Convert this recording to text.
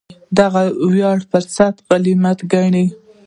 دغه وړیا فرصت غنیمت ګڼي.